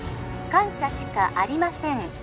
☎感謝しかありません